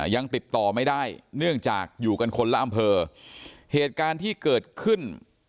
ยังติดต่อไม่ได้เนื่องจากอยู่กันคนละอำเภอเหตุการณ์ที่เกิดขึ้น